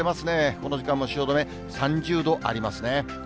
この時間も汐留３０度ありますね。